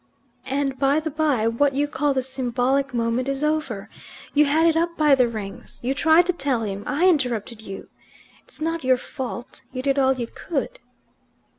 "And, bye the bye, what you call the 'symbolic moment' is over. You had it up by the Rings. You tried to tell him, I interrupted you. It's not your fault. You did all you could."